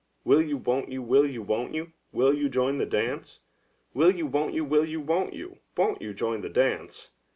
Will you, won't you; will you, won't you; will you join the dance? Will you, won't you; will you, won't you; won't you join the dance?